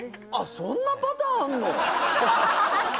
そんなパターンあんの？